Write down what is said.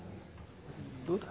どうだ？